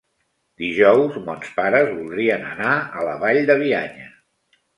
Dijous mons pares voldrien anar a la Vall de Bianya.